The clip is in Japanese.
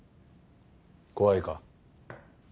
怖いか？